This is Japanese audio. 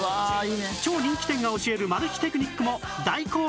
超人気店が教えるマル秘テクニックも大公開